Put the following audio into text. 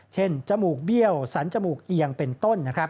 จมูกเบี้ยวสันจมูกเอียงเป็นต้น